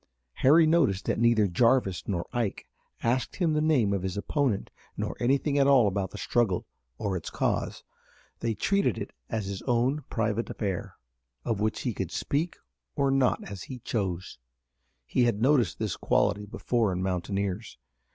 Harry noticed that neither Jarvis nor Ike asked him the name of his opponent nor anything at all about the struggle or its cause. They treated it as his own private affair, of which he could speak or not as he chose. He had noticed this quality before in mountaineers.